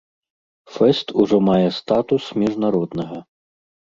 Фэст ужо мае статус міжнароднага.